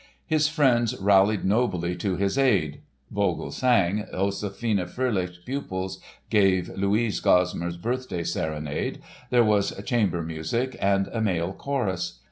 His friends rallied nobly to his aid. Vogl sang, Josefine Fröhlich's pupils gave Luise Gosmar's birthday serenade, there was chamber music and a male chorus.